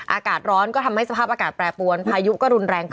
อากาศร้อนก็ทำให้สภาพอากาศแปรปวนพายุก็รุนแรง